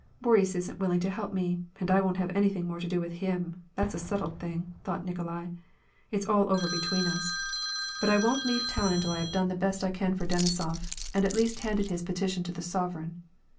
" Boris isn't willing to help me, and I won't have anything more to do with him, that's a settled thing," thought Nikolai. " It's all over between us ; but I won't leave town until I have VOL. 2. — 10. 146 WAR AND PEACE. done the best I could for Denisof, aa:id at least handed his peti tion to the sovereign.